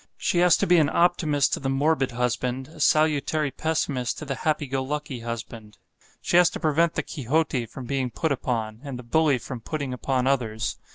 She has to be an optimist to the morbid husband, a salutary pessimist to the happy go lucky husband. She has to prevent the Quixote from being put upon, and the bully from putting upon others.